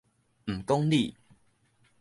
毋講理